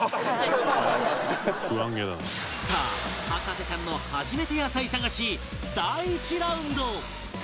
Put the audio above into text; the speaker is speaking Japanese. さあ博士ちゃんの初めて野菜探し第１ラウンド